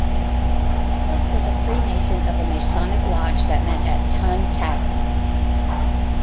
Nicholas was a Freemason of a Masonic Lodge that met at Tun Tavern.